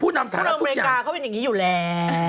อเมริกาเขาเป็นอย่างนี้อยู่แล้ว